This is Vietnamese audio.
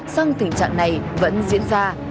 sang tình trạng này vẫn diễn ra